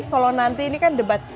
kalau nanti ini kan debat